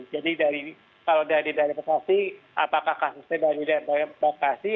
jadi kalau dari daerah lokasi apakah kasusnya dari daerah lokasi